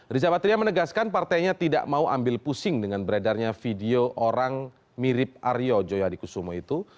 riza patria menegaskan partainya tidak mau ambil pusing dengan beredarnya video orang mirip aryo joya dikusumo itu